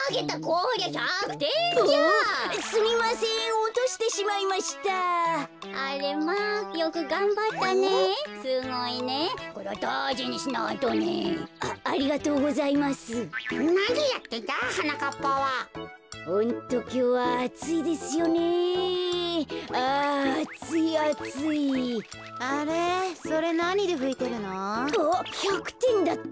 あっ１００てんだった。